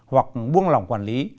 hoặc buông lòng quản lý